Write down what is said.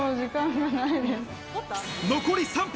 残り３分。